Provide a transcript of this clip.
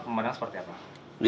pemandangan seperti apa